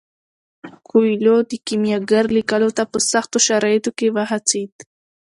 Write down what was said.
کویلیو د کیمیاګر لیکلو ته په سختو شرایطو کې وهڅید.